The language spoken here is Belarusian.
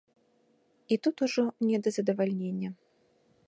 І тут ужо не да задавальнення.